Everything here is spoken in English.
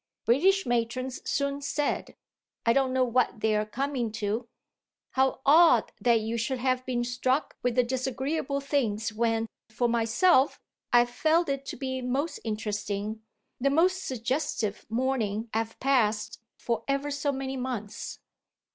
"British matron's soon said! I don't know what they're coming to." "How odd that you should have been struck only with the disagreeable things when, for myself, I've felt it to be most interesting, the most suggestive morning I've passed for ever so many months!"